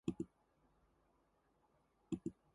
北海道色丹村